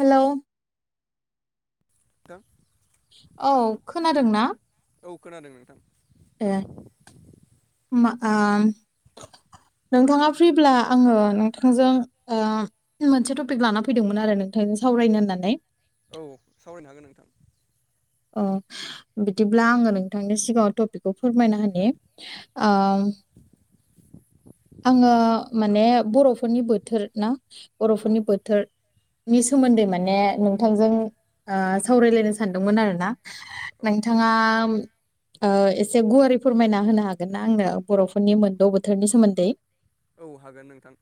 Hello दों औ खोनादों ना औ खोनादों नोंथां आ नोंथाङा फ्रिब्ला आङो नोंथांजों ओ मोनसे टपिक लाना फैदोंमोन आरो नोंथां सावरायनो होननानै औ सावरायनो हागोन नोंथां ओ बिदिब्ला आङो नोंथांनि सिगाङाव टपिकखौ फोरमायना होनि आ आङो माने बर'फोरनि बोथोर ना औ बर'फोरनि बोथोर नि सोमोन्दै माने नोंथांजों ओ सावरायलायनो ओ सानदोंमोन आरो ना औ नोंथाङा ओ एसे गुवारै फोरमायना होनो हागोन ना आंनो बर'फोरनि मोनद' बोथोरनि सोमोन्दै औ हागोन नोंथां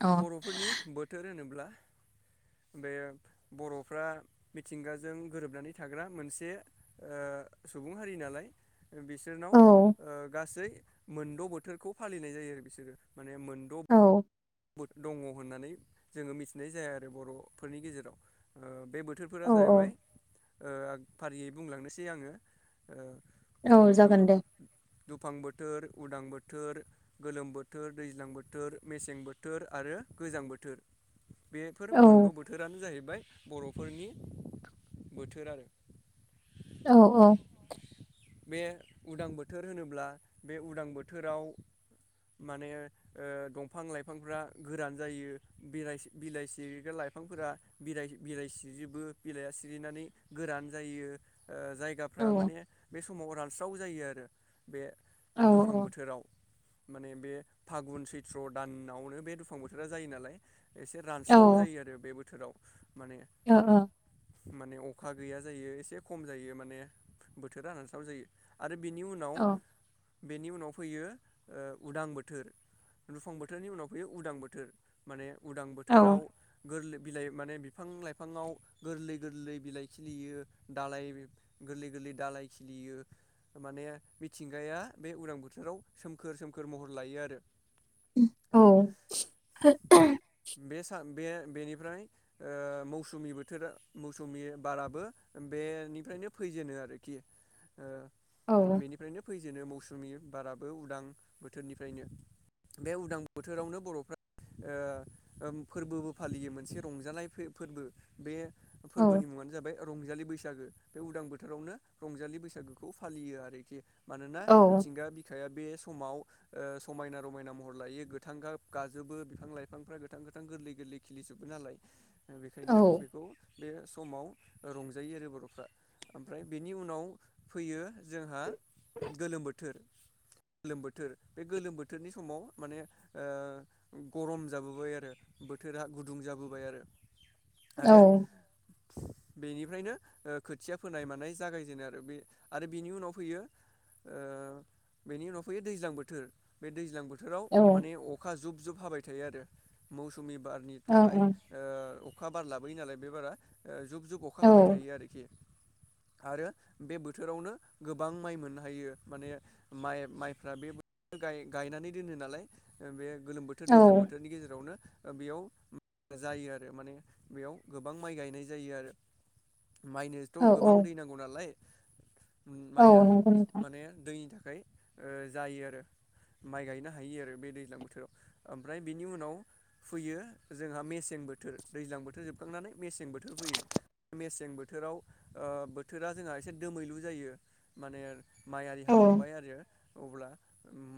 अ बर'फोरनि बोथोर होनोब्ला [unintelligible] बे बर'फ्रा मिथिंगाजों गोरोबनानै थाग्रा मोनसे ओ सुबुं हारि नालाय बिसोरनाव औ ओ गासै मोनद' बोथोरखौ फालिनाय जायो आरो बिसोरो माने मोनद' औ दङ होननानै जोङो मिथिनाय जाया आरो बर'फोरनि गेजेराव ओ बे बो औ बोथोरफोरा जाहैबाय ओ फारियै बुंलांनोसै आङो ओ औ जागोन दे दुफां बोथोर उदां बोथोर गोलोम बोथोर दैज्लां बोथोर मेसें बोथ बोथोर आरो गोजां बोथोर बेफोर औ मोनद' बोथोरानो जाहैबाय बर'फोरनि बोथोर आरो औ औ बे उदां बोथोर होनोब्ला बे उदां बोथोराव माने ओ दंफां लाइ लाइफांफ्रा गोरान जायो बिलाइ बिलाइसिरिग्रा लाइफांफोरा बिलाइसिरिजोबो बिलाइया सिरिनानै गोरान जायो ओ औ जायगाफ्रा माने बे समाव रानस्राव जायो आरो बे औ दुफां बोथोराव माने बे फागुन सैथ्र दान नावनो बे दुफां बोथोरा जायो नालाय एसे औ रानस्राव जायो आरो बे बोथोराव माने [unintelligible] माने अखा गैया जायो एसे खम जायो माने बोथोरा रानस्राव जायो आरो औ बेनि उनाव फैयो उदां बोथोर दुफां बोथोर बोथोरनि उनाव फैयो उदां बोथोर माने उदां बोथोराव औ गोरलै बिलाइ माने बिफां लाइफांङाव गोरलै गोरलै बिलाइ खिलियो दालाइ गोरलै गोरलै दालाय खिलियो माने मिथिंगाया बे उरां बोथोराव सोमखोर सोमखोर महर लायो आरो औ बे सान बे बेनिफ्राय ओ मौसुमि बोथोरा मौसुमि बाराबो बे निफ्राय फैजेनो आरोखि ओ बेनिफ्रायनो फैजेनो मौसुमि बाराबो उदां बोथोरनिफ्रायनो बे उदां बोथोरावनो बरफ्रा ओ फोरबोबो फालियो मोनसे रंजानाय फोरबो बे औ फोरबोनि मुङानो जाबाय रंजालि बैसागो बे उदां बोथोरावनो रंजालि बैसागोखौ फालियो आरोखि मानोना औ मिथिंगा बिखाया बे समाव ओ समायना रमायना म हर लायो गोथां गाब गाजोबो बिफां लाइफांफ्रा गोथां गोथां गोरलै गोरलै खिलिजोबो नालाय बेखायनो बेखौ बे समाव रंजायो आरो बरफ्रा ओमफ्राय बेनि उनाव फैयो जोंहा गोलोम बोथोर गोलोम बोथोर बे गोलोम बोथोरनि समाव माने ओ गरम जाबोबाय आरो बोथोरा गुदुं जाबोबाय आरो आरो औ बेनिफ्रायनो खोथिया फोनाय मानाय जागायजेनो आरो बे आरो बिनि उनाव फैयो ओ बेनि उनाव फैयो दैज्लां बोथोर बे दैज्लां बोथोराव माने अखा जुब जुब हाबाय थायो आरो मौसुमि बारनि थाखाय ओ अखा बार लाबोयो नालाय बे बारा जुब जुब अखा हाबाय थायो आरोखि [inaudible] आरो बे बोथोरावनो गोबां माइ मोननो हायो माने माइ माइफ्रा बे गाय-गायनानै दोनो नालाय बे गोलोम बोथोर दैज्लां बोथोरनि गेजेरावनो बेयाव जायो आरो माने बेयाव गोबां माइ गायनाय जायो आरो माइनोथ गोबां दै नांगौ नालाय माइया माने दैनि थाखा थाखाय जायो आरो माइ गायनो हायो आरो बे दैज्लां बोथोराव ओमफ्राय बिनि उनाव फैयो जोंहा मेसें बोथोर दैज्लां बोथोर जो खांनानै मेसें बोथोर फैयो मेसें बोथोराव ओ बोथोरा जोंहा एसे दोमैलु जायो माने माइ आरि हाखांबाय आरो अब्ला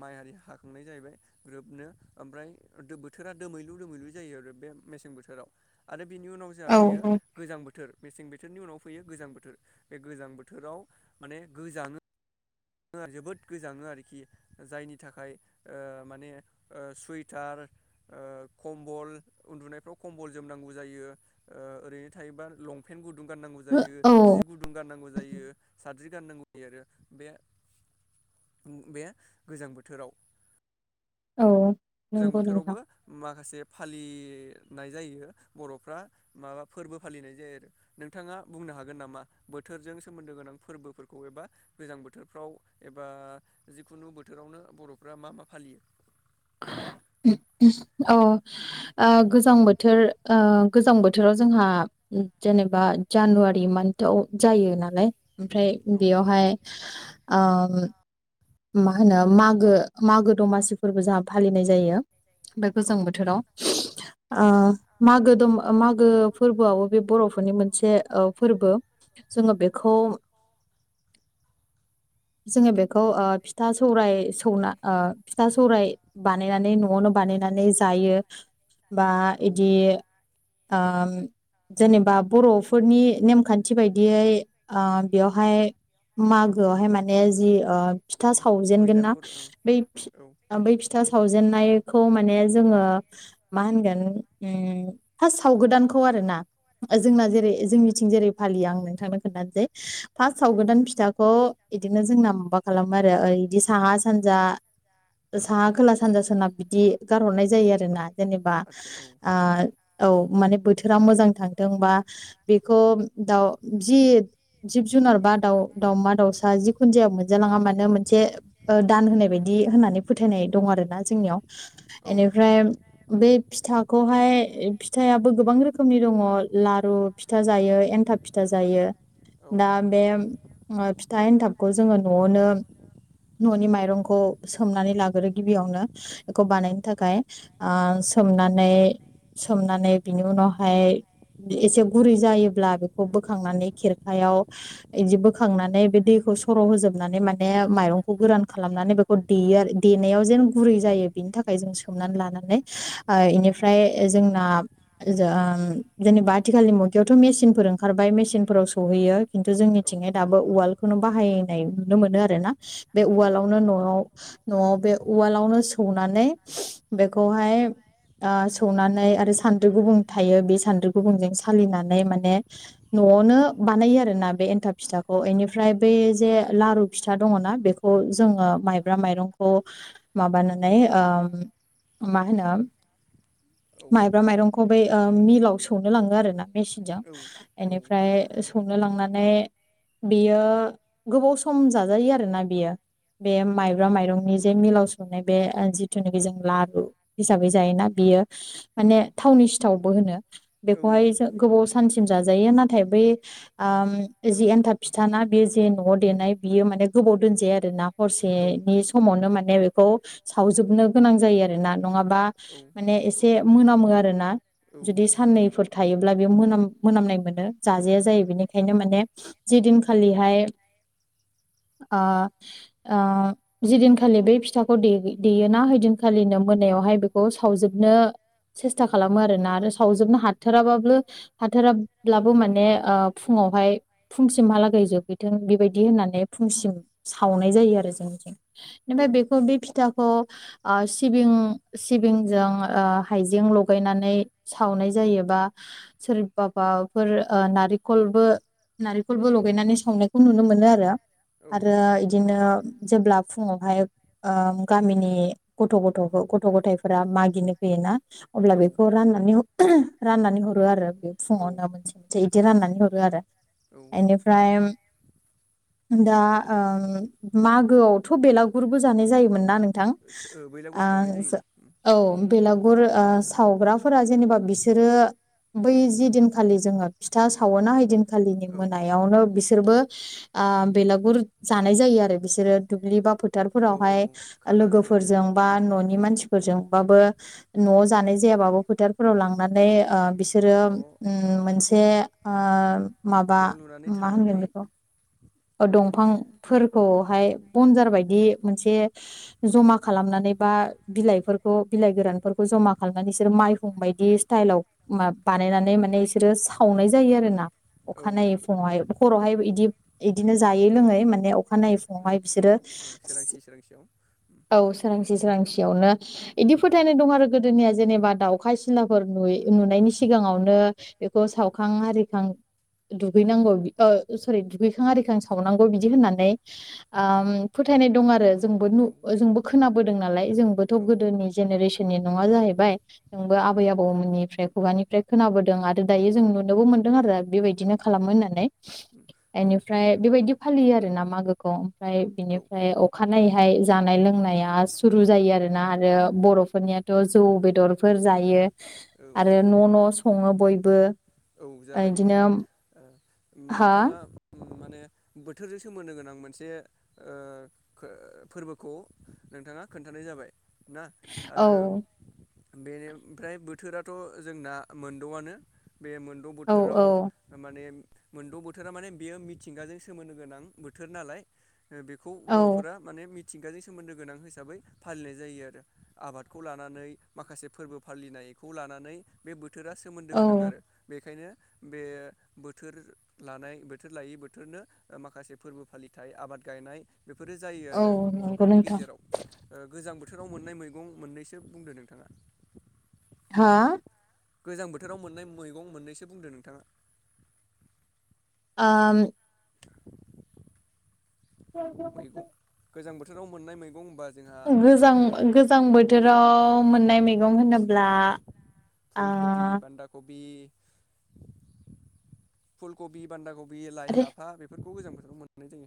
माइ आरारि हाखांनाय जाहैबाय ग्रोबनो ओमफ्राय बोथोरा दोमैलु दोमैलु जायो आरो बे मेसें बोथोराव आरो बिनि उनाव औ जोंहा औ नंगौ नोंथां औ फैयो गोजां बोथोर मेसें बो बोथोरनि उनाव फैयो गोजां बोथोर बे गोजां बोथोराव माने गोजाङो जोबोद गोजाङो आरोखि जायनि थाखाय ओ माने ओ सुवइटार ओ कम्बल उन्दुनायफ्राव कम्बल जोमनांगौ जायो ओ ओरैनो थायोबा लंपेन्ट गुदुं गाननांगौ जायो औ जि गुदुं गाननांगौ जायो साद्रि गाननांगौ जायो आरो बे बे गोजां बोथोराव औ गोजां नंगौ बोथोरावबो नोंथां माखासे फालि नाय जायो बर'फ्रा माबा फोरबो फालिनाय जायो आरो नोंथाङा बुंनो हागोन नामा? बोथोरजों सोमोन्दो गोनां फोरबोफोरखौ एबा गोजां बोथोरफ्राव एबा जिखुनु बोथोरावनो बर'फ्रा मा मा फालियो। [inaudible] अ गोजां बोथोर गोजां बोथोराव जोंहा जेनेबा जानुवारि मान्थाव जायो नालाय ओमफ्राय औ बेयावहाय मा होनो मागो मागो दमासिफोरबो जाहा फालिनाय जायो। बे औ गोजां बोथोराव मागो दमा मागो फोरबोआबो बे बर'फोरनि मोनसे फोरबो जोङो बेखौ जोङो बेखौ औ फिथा सौराय सौना फिथा सौराय बानायनानै न'आवनो बानायनानै जायो। बा औ बिदि ओ जेनेबा बर'फोरनि नेमखान्थि बायदियै बेवहाय मागोआवहाय माने जि फिथा सावजेनगोन ना बैलागुर ओं बै बै औ फिथा सावजेननायखौ माने जोङो मा होनगोन फार्स सावगोदानखौ आरो आरो ना जोंना जेरै जोंनिथिं जेरै फालियो आं नोंथांनो खोन्थानोसै। फार्स्ट साव औ गोदान फिथाखौ बिदिनो जोंना माबा खालामो आरो ओर बिदि साहा सानजा साहा खोला सानजा सोनाब बिदि गारहरनाय जायो आरोना। जेनेबा आदसा औ औ औ माने बोथोर बोथोरा मोजां थांथों बा बेखौ दाउ जि जिब जुनार बा दाउ दावमा दावसा जिखुनु जाया मोनजा मोनजालाङा मानो मोनसे दान होनाय बायदि होननानै फोथायनाय दं आरो ना जोंनियाव औ बेनिफ्राय बै फिथाखौहाय फिथायाबो गोबां रोखोमनि दङ लारु फिथा जायो एन्थाब फिथा जायो दा बे फिथा एन्थाब खौ जोङो न'आवनो न'नि माइरंखौ सोमनानै लाग्रो गिबियावनो बेखौ बानायनो थाखाय औ औ सोमनानै सोमनानै बिनि उनावहाय एसे गुरै जायोब्ला बेखौ बोखांनानै खेरखायाव बिदि बोखांनानै बे दै खौ सर' होजोब नानै माने माइरंखौ गोरान खालामनानै बेखौ देयो आरो देनायाव जेन गुरै जायो बिनि थाखाय जों सोम नानै लानानै इनिफ्राय जोंना ओ जेनेबा आथिखालावनि बेयावथ' मेसिनफोर ओंखारबाय मेसिनफोराव सौहैयो खिन्थु औ जोंनिथिंहाय दाबो उवालखौनो बाहायनाय। नुनो मोनो आरो ना बे औ उवालावनो न'आव न'आव बे उवालावनो सौनानै बेखौहाय सौनानै आरो सान्द्रि गुबुं थायो बे सान्द्रि गुबुंजों सालिनानै माने न'आवनो बानायो आरोना बे एन्थाब फिथाखौ बेनिफ्राय बेै जे लारु फिथा दङ ना बेखौ जोङो माइब्रा माइरंखौ माबानानै मा होनो औ माइब्रा माइरंखौ बै मिलाव सौनो लाङो आरो ना मेचनजों औ औ बेनिफ्राय सौनो लांनानै बेयो गोबाव सम जाजायो आरो ना बियो बे ओ माइब्रा माइरंनि जे मिलाव सौनाय बे जिथुनाखि जों लारु हिसाबै जायोना बियो। लादु माने औ थावनि सिथावबो होनो औ बेखौहाय जों गोबाव सानसिम जाजायो नाथाय नाथाय बै जि एनथाब फिथा ना बेयो जे न'आव देनाय बियो माने गोबाव दोनजाया आरो ना हरसेनि समावनो माने माने बेखौ सावजोबनो गोनां जायो आरो ना नङाबा माने एसे मोनामो आरो ना। जुदि साननैफोर थायोब्ला बेयो मोनाम मोनामनाय मोनो जाजाया जायो बेनिखायनो माने जि दिनखालिहाय [unintelligible] ओ ओ जिदिनखालि बै फिथाखौ देयोना हैदिनखालिनो मोनायावहाय बेखौ सावजोबनो सेस्था खालामो आरोना आरो सावजोबनो हाथाराबाबो हाथाराब्लाबो माने फुङाव फुंआवहाय फुं सिमहालागै जोबहैथों। बेबायदि होननानै फुंसिम सावनाय जायो आरो जोंथि ओमफ्राय बेखौ बे फिथाखौ ओ सिबिं सिबिंजों हाइजें लगायनानै सावनाय जायोबा सोरबाबाफोर नारेखलबो नारेंखलबो लगायनानै सावना खौ नुनो मोनो आरो आरो एदिनो। जेब्ला फुङावहाय गामिनि गथ' गथ' गथ' गथायाइफोरा मागिनो फैयोना। अब्ला बेखौ राननानै राननानै हरो आरो बेयो फुङावनो मोनसे मोनसे बिदि राननानै हरो आरो। औ एनिफ्राय दा मागोआवथ' बेलागुरबो जानाय जायोमोन ना नोंथां। बैलागुर सावनाय जायो औ बेला गुर सावग्राफोरा जेनेबा बिसोरो बै जिदिनखालि जोङो फिथा सावोना हैओइदिनखालिनि औ मोनायावनो बिसोरबो बेलागुर जानाय जायो आरो बिसोरो दुब्लि बा औ औ फोथारफोरावहाय खाना जानाय लोगोफोरजों बा न'नि मानसि फोरजोंबाबो न'आव जानाय जायाबाबो फोथारफोराव लांनानै ओ बिसोरो ज' मोनसे ओ माबा न' लुनानै मा थानानै होनगोन बे मोनसे दंफांफोरखौहाय बनजार बायदि मोनसे जमा खालामनानै बा बिलाइफोरखौ बिलाइ गोरानफोरखौ जमा खालामनानै बिसोर मा माइहुं बायदि स्टाइलाव बानायनानै माने एसोरो सावनाय जायो आरो ना। औ अखानायनायै फुङावहाय हरावहाय बिदि बिदिनो जायै लोङै माने अखानायै ओमफ्राय फुंआवहाय बिसोरो फुङाव ओ सोरांसि सोरांसियाव औ सोरांसि सियावनो इदि फोथायनाय दं आरो गोदोनिया जेनेबा दाउखा सिलाफोर नुयै नुनायनि सिगां सिगाङावनो बेखौ सावखां आरिखां दुगैनांगौ ओ सरि दुगैखां आरिखां सावनांगौ बिदि होननानै ओम फोथायनाय दं आरो। जोंबो औ जोंबो खोनाबोदों नालाय जोंबोथ' औ गोदोनि जेनेरेसननि नङा जाहैबाय जोंबो औ आबै आबौमोननिफ्राय खुगानिफ्राय खोनाबोदों आरो दायो जों नुनोबो मोनदों आरो। बेबायदिनो खालामो होननानै औ एनिफ्राय नोंथां बेबायदि फालियो आरो ना मागोखौ ओमफ्राय औ बिनिफ्राय अखानायनायै बेहाय जानाय लोंनाया सुरु जायो आरोना आरो बर'फोरनियाथ' जौ बेदरफोर जायो। औ आरो न' न' सङो बयबो औ जाबाय दे बिदिनो नोंथां हा नोंथाङा। माने बोथोरजों सोमोन्दो गोनां मोनसे फोरबोखौ नोंथाङा खोन्थानाय जाबाय ना औ आरो बेनिफ्राय बोथोराथ' जोंना मोनद'आनो बे मोनद' औ बोथोराव औ माने मोनद' बोथोरा माने बेयो मिथिंगाजों सोमोन्दो गोनां बोथोर नालाय बेखौ औ बर'फोरा माने मि मिथिंगाजों सोमोन्दो गोनां हिसाबै फालिनाय जायो आरो आबादखौ लानानै माखासे फोरबो फालिनाय खौ लानानै बे बोथोरा सोमोन्दो गोनां औ आरो बेखायनो बे बोथोर लानाय बोथोर लायै बोथोरनो माखासे फोरबो फालिथाय आबाद गायनाय बेफोरो जायो औ आरो नंगौ बर'फोरनि नोंथां गेजेराव गोजां बोथोर बोथोराव मोननाय मैगं मोननैसो बुंदो नोंथाङा। हा गोजां बोथोराव मोननाय मैगं मोननैसो बुंदो नोंथाङा। ओम मैगं [unintelligible] गोजां बोथोराव मोननाय मैगं होनबा जोंहा गोजां ओ गोजां बोथोराव मोननाय मैगं होनोब्ला ओ फुलकबि बान्दााखबि फुल कबि बान्दा कबि लाइ आरे लाफा बेफोरखौ गोजां बेखौ मोननाय जायो।